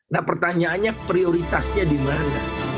nah pertanyaannya prioritasnya di mana